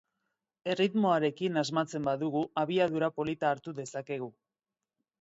Erritmoarekin asmatzen badugu abiadura polita hartu dezakegu.